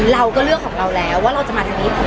เราก็เลือกของเราแล้วว่าเราจะมาทางนี้